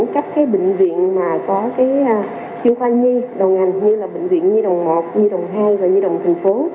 các bệnh viện mà có chuyên khoa nhi đầu ngành như là bệnh viện nhi đồng một nhi đồng hai và nhi đồng thành phố